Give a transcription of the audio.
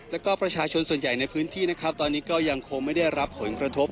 แล้วก็ประชาชนส่วนใหญ่ในพื้นที่นะครับตอนนี้ก็ยังคงไม่ได้รับผลกระทบ